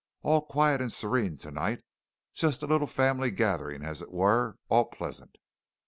All quiet and serene tonight just a little family gathering, as it were all pleasant!"